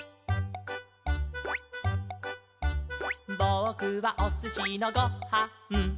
「ぼくはおすしのご・は・ん」